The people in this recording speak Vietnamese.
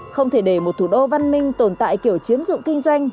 không thể để một thủ đô văn minh tồn tại kiểu chiếm dụng kinh doanh